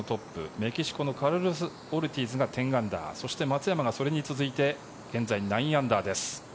メキシコのカルロス・オルティーズが１０アンダーそして松山がそれに続いて現在９アンダーです。